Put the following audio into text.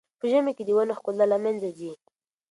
په ژمي کې د ونو ښکلا له منځه ځي.